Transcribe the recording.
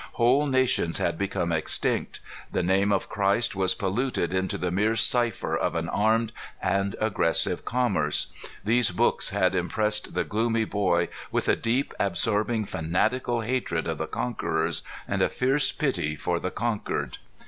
Whole nations had become extinct. The name of Christ was polluted into the mere cipher of an armed and aggressive commerce. These books had impressed the gloomy boy with a deep, absorbing, fanatical hatred of the conquerors, and a fierce pity for the conquered.